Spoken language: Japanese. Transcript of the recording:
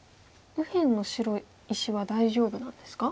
右辺の白石は大丈夫なんですか？